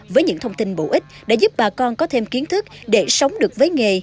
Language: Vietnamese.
với những thông tin bổ ích đã giúp bà con có thêm kiến thức để sống được với nghề